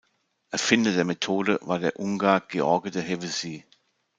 Erfinder der Methode war der Ungar George de Hevesy.